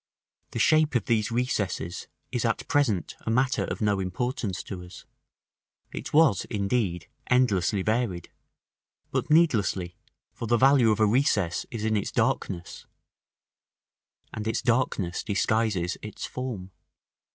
The shape of these recesses is at present a matter of no importance to us: it was, indeed, endlessly varied; but needlessly, for the value of a recess is in its darkness, and its darkness disguises its form.